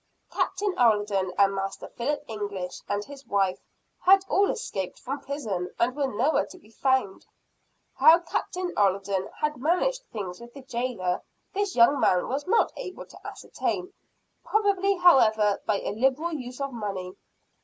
Captain Alden and Master Philip English and his wife, had all escaped from prison, and were nowhere to be found. How Captain Alden had managed things with the jailer the young man was not able to ascertain probably however, by a liberal use of money.